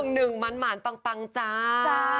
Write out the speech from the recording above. ๑๑หมันหมานปังปังจ้า